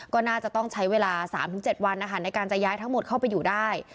ก็น่าจะต้องใช้เวลา๓๗วันนะคะในการจะย้ายทั้งหมดเข้าไปอยู่ได้